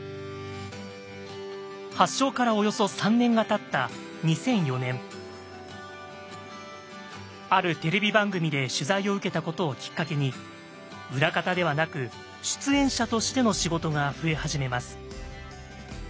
発症からおよそ３年がたったあるテレビ番組で取材を受けたことをきっかけに裏方ではなく出演者としての仕事が増え始めます。